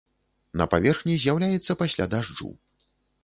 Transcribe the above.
На паверхні з'яўляецца пасля дажджу.